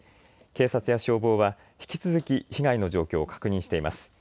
警察や消防は引き続き被害の状況を確認しています。